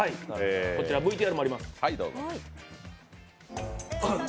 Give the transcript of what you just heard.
こちらＶＴＲもあります。